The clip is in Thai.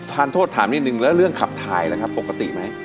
ทานโทษถามนิดนึงแล้วเรื่องขับถ่ายล่ะครับปกติไหม